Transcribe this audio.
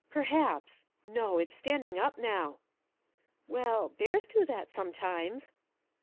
"Perhaps. No; it's standing up now." "Well, bears do that sometimes."